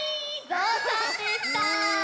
ぞうさんでした。